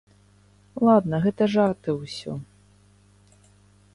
Ладна, гэта жарты ўсё.